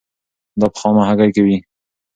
دا په خامه هګۍ کې وي.